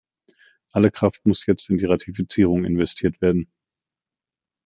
Alle Kraft muss jetzt in die Ratifizierung investiert werden.